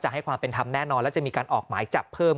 ให้ความเป็นธรรมแน่นอนแล้วจะมีการออกหมายจับเพิ่ม